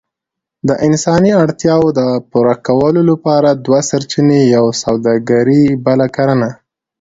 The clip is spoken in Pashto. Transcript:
د انساني اړتياوو د پوره کولو لپاره دوه سرچينې، يوه سووداګري بله کرنه.